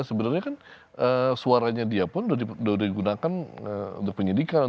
sebenarnya kan suaranya dia pun sudah digunakan untuk penyidikan